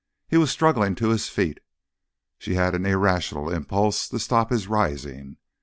He was struggling to his feet. She had an irrational impulse to stop his rising.